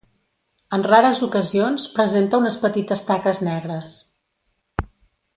En rares ocasions, presenta unes petites taques negres.